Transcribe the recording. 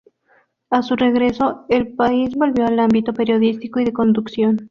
A su regreso al país volvió al ámbito periodístico y de conducción.